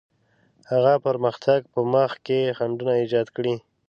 هغه پرمختګ په مخ کې خنډونه ایجاد کړي.